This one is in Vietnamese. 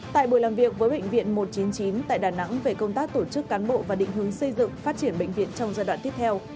tại buổi làm việc với bệnh viện một trăm chín mươi chín tại đà nẵng về công tác tổ chức cán bộ và định hướng xây dựng phát triển bệnh viện trong giai đoạn tiếp theo